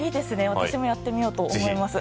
私もやってみようと思います。